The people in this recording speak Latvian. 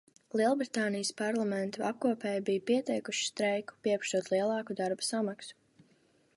Lielbritānijas parlamenta apkopēji bija pieteikuši streiku, pieprasot lielāku darba samaksu.